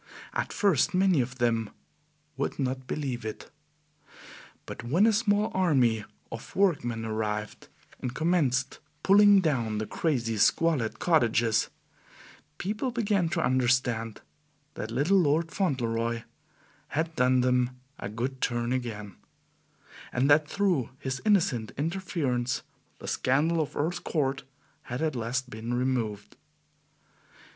At first, many of them would not believe it; but when a small army of workmen arrived and commenced pulling down the crazy, squalid cottages, people began to understand that little Lord Fauntleroy had done them a good turn again, and that through his innocent interference the scandal of Earl's Court had at last been removed.